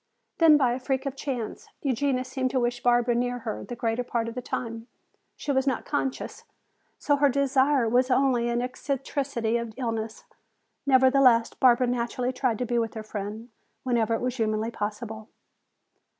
Then by a freak of chance Eugenia seemed to wish Barbara near her the greater part of the time. She was not conscious, so her desire was only an eccentricity of illness. Nevertheless, Barbara naturally tried to be with her friend whenever it was humanly possible.